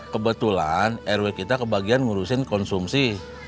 kebetulan rw kita kebagian ngurusin konsumsi